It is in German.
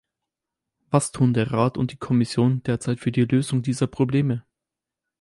Was tun der Rat und die Kommission derzeit für die Lösung dieser Probleme?